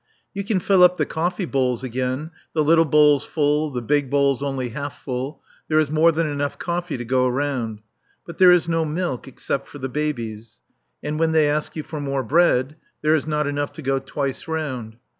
You can fill up the coffee bowls again the little bowls full, the big bowls only half full; there is more than enough coffee to go round. But there is no milk except for the babies. And when they ask you for more bread there is not enough to go twice round.